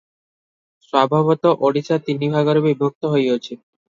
ସ୍ୱଭାବତଃ ଓଡ଼ିଶା ତିନି ଭାଗରେ ବିଭକ୍ତ ହୋଇଅଛି ।